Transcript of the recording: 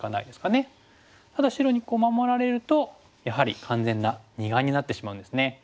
ただ白にこう守られるとやはり完全な二眼になってしまうんですね。